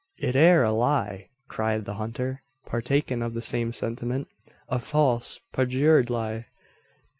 "It air a lie!" cried the hunter, partaking of the same sentiment: "a false, parjured lie!